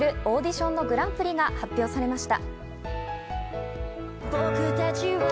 そこに立てるオーディションのグランプリが発表されました。